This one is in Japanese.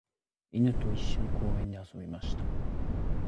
犬と一緒に公園で遊びました。